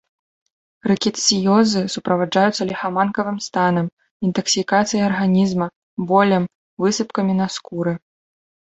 Рыкетсіёзы суправаджаюцца ліхаманкавым станам, інтаксікацыяй арганізма, болем, высыпкамі на скуры.